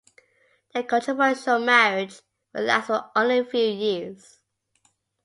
The controversial marriage would last for only a few years.